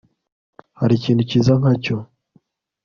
hari ikintu cyiza nkacyo